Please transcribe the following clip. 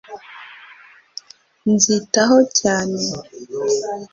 Nzitaho cyane